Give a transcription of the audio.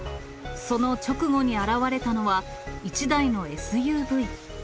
その直後に現れたのは、１台のＳＵＶ。